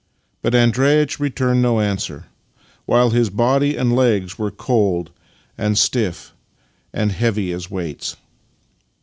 But Andreitch re turned no answer, while his body and legs were cold and stiff and heavy as weights.